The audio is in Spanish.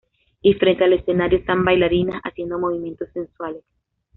Y frente al escenario, están bailarinas haciendo movimientos sensuales.